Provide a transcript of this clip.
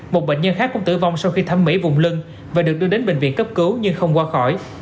một bệnh nhân khác cũng tử vong sau khi thẩm mỹ vùng lưng và được đưa đến bệnh viện cấp cứu nhưng không qua khỏi